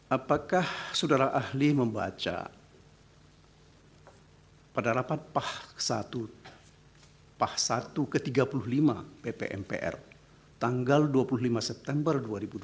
apakah saudara ahli membaca pada rapat pah satu ke tiga puluh lima ppmpr tanggal dua puluh lima september dua ribu dua puluh